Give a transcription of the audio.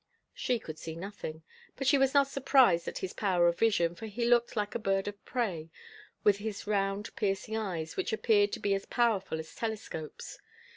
She could see nothing, but she was not surprised at his power of vision, for he looked like a bird of prey, with his round, piercing eyes, which appeared to be as powerful as telescopes.